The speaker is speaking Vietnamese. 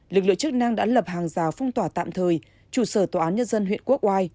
đội chức năng đã lập hàng rào phong tỏa tạm thời chủ sở tòa án nhân dân huyện quốc ngoài